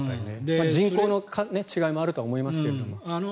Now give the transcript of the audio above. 人口の違いもあるとは思いますけれども。